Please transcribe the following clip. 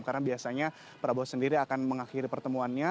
karena biasanya prabowo sendiri akan mengakhiri pertemuannya